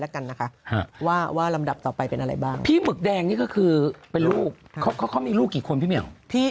เขามีลูกกี่คนพี่เหมียว